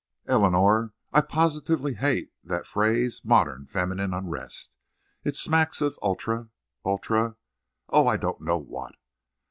"Eleanor, I positively hate that phrase 'modern feminine unrest!' It smacks of ultra—ultra—Oh! I don't know what.